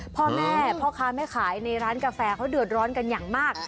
พ่อแม่พ่อค้าแม่ขายในร้านกาแฟเขาเดือดร้อนกันอย่างมาก